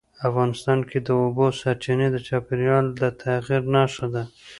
افغانستان کې د اوبو سرچینې د چاپېریال د تغیر نښه ده.